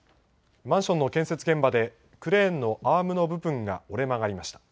マンションの建設現場でクレーンのアームの部分が折れ曲がりました。